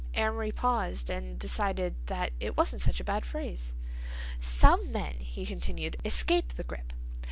Amory paused and decided that it wasn't such a bad phrase. "Some men," he continued, "escape the grip.